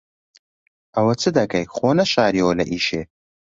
ئەوە چ دەکەی؟ خۆ نەشارییەوە لە ئیشێ.